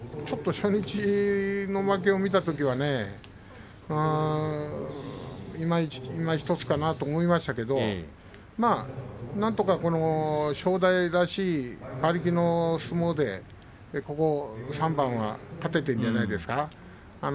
初日の負けを見たときはいまひとつかなと思いましたけれどなんとか正代らしい馬力の相撲でこのところの３番勝てているんじゃないですか。